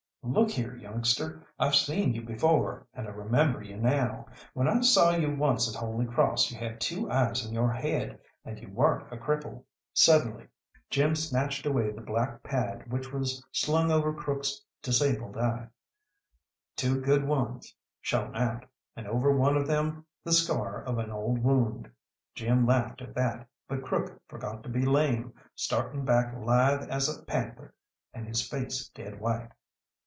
"Look here, youngster, I've seen you before, and I remember you now. When I saw you once at Holy Cross you had two eyes in your head, and you weren't a cripple." Suddenly Jim snatched away the black pad which was slung over Crook's disabled eye. Two good eyes shone out, and over one of them the scar of an old wound. Jim laughed at that, but Crook forgot to be lame, starting back lithe as a panther and his face dead white.